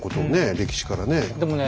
歴史からね。